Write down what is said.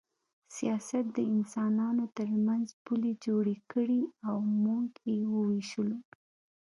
سیاست د انسانانو ترمنځ پولې جوړې کړې او موږ یې ووېشلو